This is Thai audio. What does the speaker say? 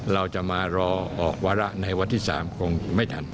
เราจะมารอออกวาระในวันที่๓คงไม่ทัน